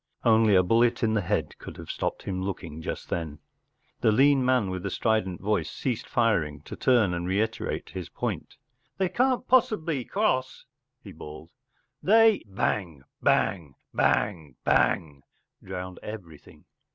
Only a bullet in the head could have stopped him looking just then. The lean man with the strident voice ceased firing to turn and reiterate his point t4 They can't possibly cross, 4 he bawled They ” “ Bang ! Bang 1 Bang, bang ! ”—drowned everything.